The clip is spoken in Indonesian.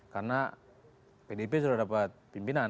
karena pdp sudah dapat pimpinan